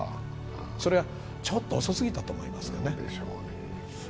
それはちょっと遅すぎたと思いますね。